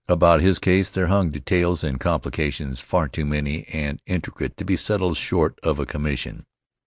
About his case there hung details and complications far too many and intricate to be settled short of a commission.